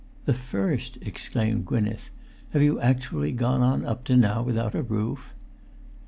"The first!" exclaimed Gwynneth. "Have you actually gone on up to now without a roof?"